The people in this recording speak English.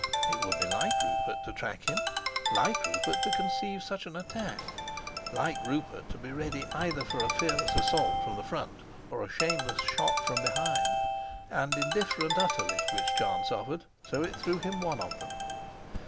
It would be like Rupert to track him, like Rupert to conceive such an attack, like Rupert to be ready either for a fearless assault from the front or a shameless shot from behind, and indifferent utterly which chance offered, so it threw him one of them.